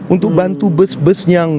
untuk bantu bus bus yang bagus di jawa tenggara